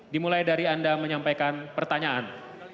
dimulai dari anda menyampaikan pertanyaan